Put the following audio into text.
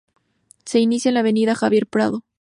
Se inicia en la avenida Javier Prado.